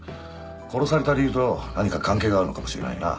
殺された理由と何か関係があるのかもしれないな。